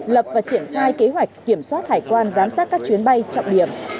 lập và triển khai kế hoạch kiểm soát hải quan giám sát các chuyến bay trọng điểm